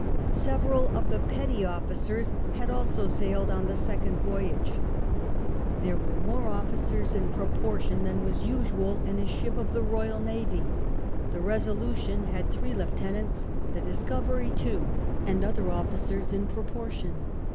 Several of the petty officers had also sailed on the second voyage. There were more officers in ,pfo portion than was iisuiil in a ship of the Royal Navy — the Resolutwn had three lieutenants, the Discovery two, and other officci's in proportion.